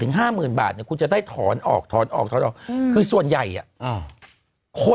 อึกอึกอึกอึกอึกอึกอึกอึก